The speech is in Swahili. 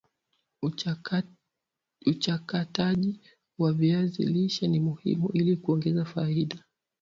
uchakataji wa viazi lishe ni muhimu ili kuongeza faida